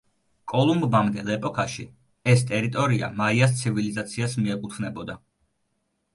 კოლუმბამდელ ეპოქაში, ეს ტერიტორია მაიას ცივილიზაციას მიეკუთვნებოდა.